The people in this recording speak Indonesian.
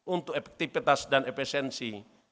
untuk efektivitas dan efisiensi